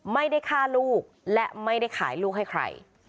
ไม่ได้ฆ่าลูกและไม่ได้ขายลูกให้ใคร